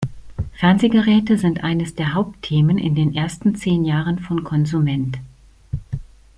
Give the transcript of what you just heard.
Fernsehgeräte sind eines der Hauptthemen in den ersten zehn Jahren von Konsument.